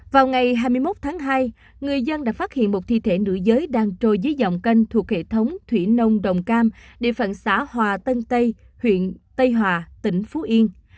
vào ngày hai mươi một tháng hai người dân đã phát hiện một thi thể nữ giới đang trôi dưới dòng kênh thuộc hệ thống thủy nông đồng cam địa phận xã hòa tân tây huyện tây hòa tỉnh phú yên